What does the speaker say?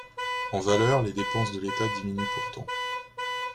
En valeur, les dépenses de l’État diminuent pourtant.